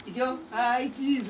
はいチーズ！